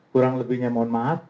kurang lebihnya mohon maaf